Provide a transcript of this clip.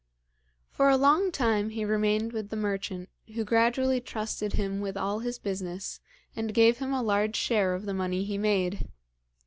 For a long time he remained with the merchant, who gradually trusted him with all his business, and gave him a large share of the money he made.